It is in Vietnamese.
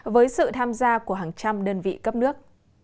với sự tham gia của hàng trăm đơn vị cấp nước